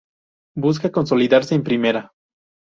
Busca consolidarse en Primera.